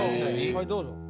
はいどうぞ。